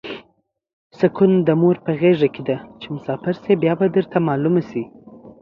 سوکون د مور په غیګه ده چی مسافر شی بیا به درته معلومه شی